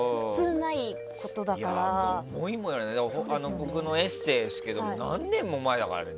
僕のエッセーですけど何年も前ですからね。